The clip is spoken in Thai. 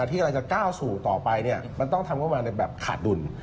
แต่ที่กำลังจะคาดสูตรต่อไปมันต้องทำร่วมมาในแบบขาดทุน